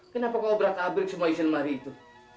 kenapa kau berakabrik semua isin mahri itu